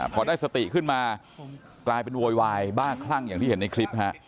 พอได้สติขึ้นมากลายเป็นโวยวายบ้าคลั่งอย่างที่เห็นในคลิปฮะ